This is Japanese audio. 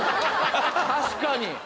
確かに。